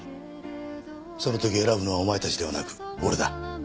その時選ぶのはお前たちではなく俺だ。